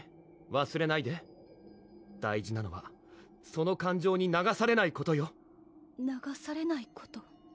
わすれないで大事なのはその感情に流されないことよ流されないこと？